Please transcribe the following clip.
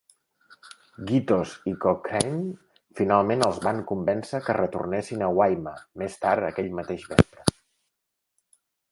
Gittos i Cochrane finalment els van convèncer que retornessin a Waima més tard aquell mateix vespre.